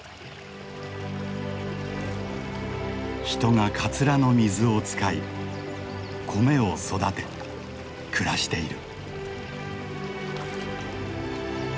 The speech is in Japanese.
人がカツラの水を使い米を育て暮らしている。